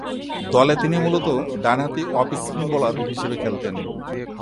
দলে তিনি মূলতঃ ডানহাতি অফ স্পিন বোলার হিসেবে খেলতেন।